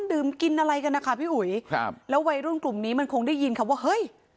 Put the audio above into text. ดื่มกินอะไรกันนะคะพี่อุ๋ยครับแล้ววัยรุ่นกลุ่มนี้มันคงได้ยินคำว่าเฮ้ย